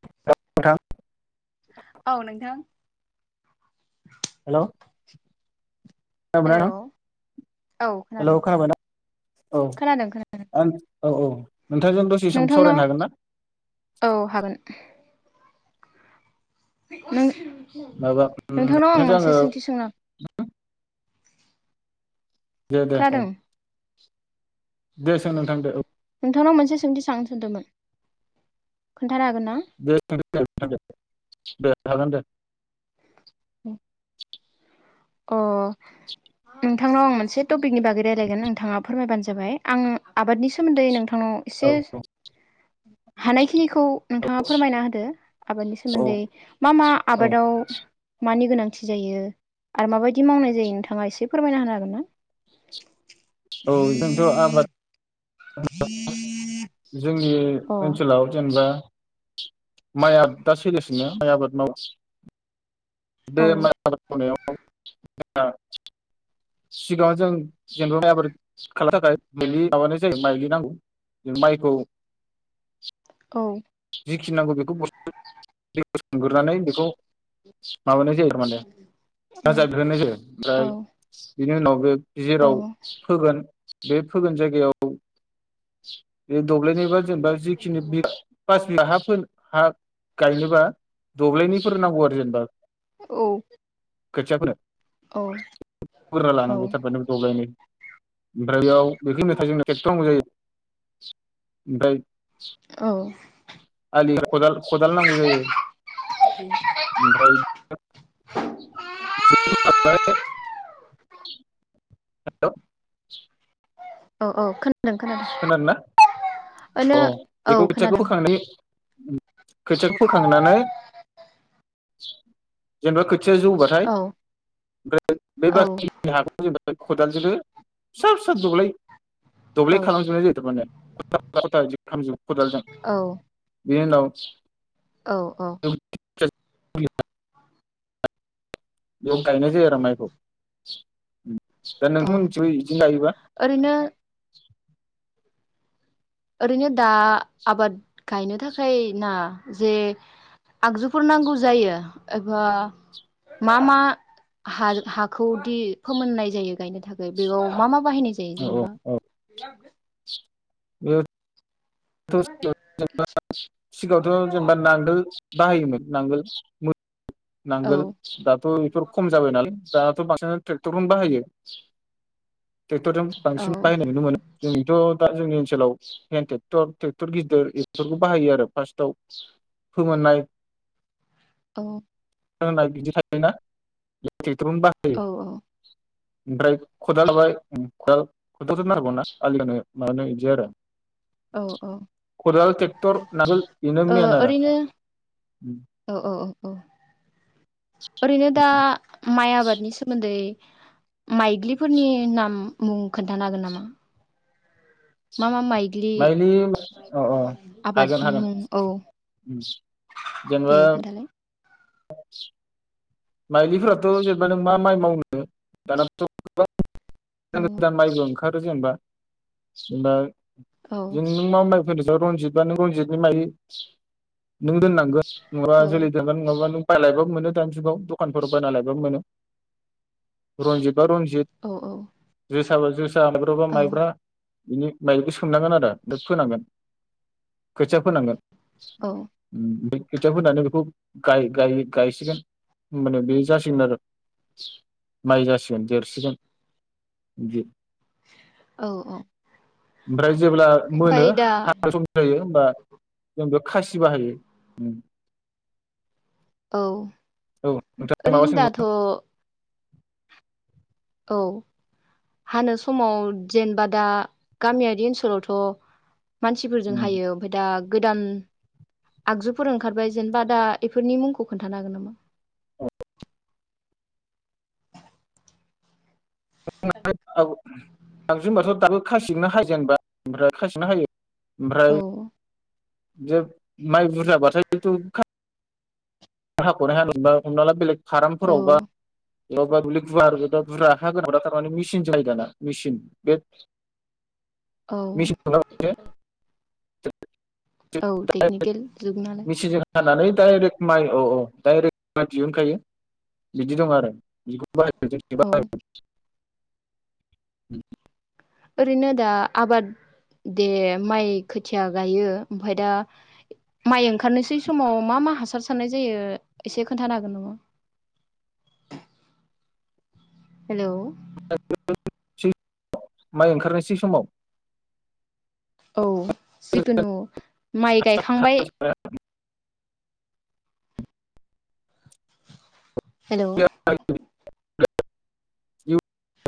[unintelligible] औ नोंथां हेल' हेलौ खोनाबायना औ नों खोनादों हेल' खोनाबायना औ खोनादों खोनादों औ-औ नोंथांजों दसे सम सावरायनो नोंथांनाव हागोन ना औ हागोन नों माबा उम नोंथांनाव आं नोंथांजों मोनसे आङो सोंथि सोंना दे दे औ खोनादों दे सों नोंथां दे औ नोंथांनाव मोनसे सोंथि साननो सोंदोंमोन खोन [unintelligible] दे हागोन दे उम अ नोंथांनाव आं मोनसे टपिकनि बागै रायज्लायगोन नोंथाङा फोरमायबानो जाबाय आं आबादनि सोमोन्दै नोंथा नाव एसे औ औ हानायखिनिखौ नोंथाङा फोरमायना होदो आबादनि औ सोमोन्दै मा मा औ आबादाव मानि गोनां थि जायो आरो माबायदि मावनाय जायो नोंथाङा एसे फोरमायना होनो हागोन ना? औ जोंथ' आबाद [unintelligible] जों नि अ ओनसोलाव जेनोबा माइ आबादा सोलिसिनो माइ आबाद मावो। बे औ मा आबाद मावनायाव [unintelligible] सिगाङाव जों जेनोबा आबाद खालामनो थाखाय माइलि माबानाय जायो माइलिनांगौ जों माइखौ औ। जिखि नांगौ बेखौ [unintelligible] बेखौ माबानाय जायो माने [unintelligible] बिहरनाय जायो औ ओ बिनि उनाव बे जेराव औ फोगोन बे फोगोन जायगायाव बे दब्लायनिबा जेनोबा जिखिनि [unintelligible] हा [unintelligible] हा गायनोबा दब्ललिनिफोर नांगौ आरो जेनोबा औ। खोथिया फोनो औ [unintelligible] फोग्रोना औ लानांगौ थार माने दब्लायनै। ओमफ्राय बेयाव बेखिनियाव [unintelligible] जोंनो ट्रेक्टरनांगौ जायो। ओमफ्राय औ। आलिया खदाल खदाल नांगौ जायो। ओमफ्राय [unintelligible] [unintelligible] औ औ खोना खोनादोंना? ओनो औ, औ बेखौ खोथियाखौ खोनादों फोखांनानै खोथियाखौ फोखांनानै जेनोबा खो थिया जौबाथाय औ ओमफ्राय बे औ बाखिनि हाखौ [unintelligible] खदालजोंनो फिसा फिसा दब्लाय खालामजोबनाय जायो थारमाने। [unintelligible] खदालजों। बेनि उनाव औ औ। बेयाव बेयाव गायनाय जायो आरो माइखौ दा औ नोंथांमोननिथिबो बिदिनो गायोबा ओरैनो ओरैनो दा आबाद गायनो थाखाय ना जे आगजुफोर नांगौ जायो एबा मा मा हाखौदि फोमोननाय जायो गायनो थाखाय बेयाव मा मा। बाहायनाय जायो औ जेनेबा बे। [unintelligible] सिगाङावथ' जेनेबा नांगोल बाहायोमोन नांगोल औ नांगोल दाथ' बेफोर खम जाबाय नालाय दाथ' बांसिन ट्रेक्टरखौनो बाहायो। ट्रेक्टरजों औ बांसिन बाहायनाय नुनो मोनो जोंथ' दा जोंनि ओनसोलाव हेन्द ट्रेक्टर ट्रेक्टर गिदिर बेफोरखौ बाहायो आरो फास्टाव फोमोननाय औ। [unintelligible] बिदि थायोना [unintelligible] [unintelligible] ओमफ्राय औ खदालाय खदाल खदालथ' नारगौ ना आलिनो माबानो बिदि आरो। औ औ खदाल टेकट'र नांगोल बिनो ओ मेइन आरो। ओरैनो अ। ओरैनो दा माइ आबादनि सोमोन्दै माइग्लिफोरनि नाम मुं खोन्थानो हागोन नामा? मा मा माइ ग्लि माइलि अ अ हागोन आबादनि हागोन मुं औ जेनेबा दे खोन्थालाय। [unintelligible] माइलिफोराथ' जेनेबा नों मा माइ मावनो दानाथ' गोबां [unintelligible] औ माइ [unintelligible] [unintelligible] जेनेबा औ जेनेबा [unintelligible] रनजित बा नों रनजितनि माय नों दोननांगोन औ [unintelligible] बायलायबाबो मोनो दानि जुगाव। दखानफोर बायना लायबाबो मोनो रनजित बा रनजित औ [unintelligible] माइब्रा बा औ माइब्रा बिनि मायलिखो सोमनांगोन आदा ओमफाय फोनांगोन खोथिया फोनांगोन औ ओम बै खोथिया फोनानै बेखौ गाय-गाय-गायसिगोन होमबानो बे जासिगोन आरो माइ जासिगोन देरसिगोन बि औ औ ओमफ्राय जेब्ला मोनो दा हानो सम जायो होमबा जों बे खासि बाहायो औ औ नोंथाङा माबा ओरैनो सोंनो दाथ' औ हानो समाव जेनेबा दा गामियारि ओनसोलावथ' मानसिफोरजों हायो ओमफाय दा गोदान आगजुफोर ओंखारबाय जेनेबा दा बेफोरनि मुंखौ खोन्थानो हागोन नामा? [unintelligible] औ आगजु होनबाथ' दाबो खाायसिजोंनो हायो जेनबा ओमफ्राय खाासिनो हायो औ ओमफ्राय जे माइ बुरजाबाथायथ' खा हाखनो हाया मोनबा हमना ला बेलग औ खारामफोरावबा [unintelligible] मिसिनजों हायो दाना मिसिन बे औ औ [unintelligible] टेकनिकेल जुग नालाय मिसिनजों हानानै दाइरेक माइ औ औ दाइरेक माइ दिहुनखायो बिदि दं आरो औ [unintelligible] [unintelligible] ओरैनो दा आबाद दे माइ खोथिया गायो ओमफाय दा माइ ओंखारनोसै समाव मा मा हासार सारनाय जायो? एसे खोन्थानो हागोन नामा? हेलौ [unintelligible] माइ ओंखारनोसै समाव औ जिकुनु माइ गायखांबाय हेल' [unintelligible]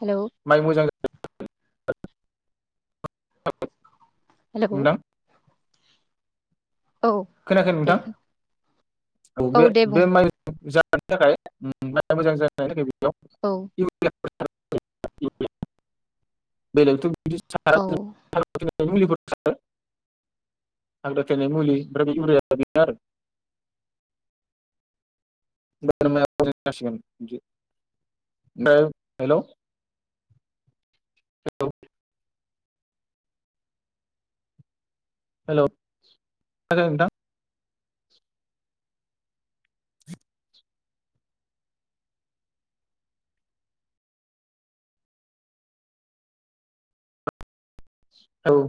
हेलौ माइ मोजां [unintelligible] हेलौ नोंथां औ खोनायाखै दे नोंथां औ बे दे बे बुं माइ जा थानोथाखाय बारा मोजां जा [unintelligible] औ या खै [unintelligible] [inaudible] बेलेगथ' औ बिदि [unintelligible] मुलिफोर सारो हाग्रा थैनायनि मुलि [unintelligible] [unintelligible] दा हेलौ औ हेलौ मा जाखो नोंथां? औ